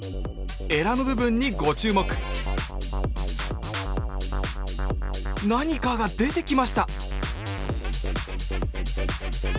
エラの部分にご注目何かが出てきました！